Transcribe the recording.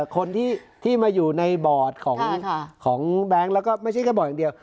คนที่มาอยู่ในบอร์ดของแบงค์แล้วก็ไม่ใช่แค่บอร์ดอย่างเดียว